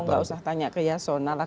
nggak usah tanya ke yasona lah